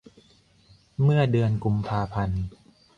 เมื่อเดือนกุมภาพันธ์